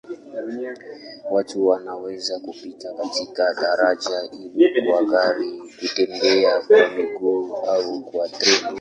Watu wanaweza kupita katika daraja hilo kwa gari, kutembea kwa miguu au kwa treni.